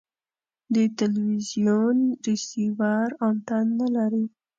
د تلوزیون ریسیور انتن نلري